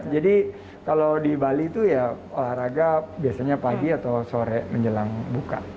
jadi kalau di bali tuh ya olahraga biasanya pagi atau sore menjelang buka